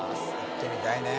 行ってみたいね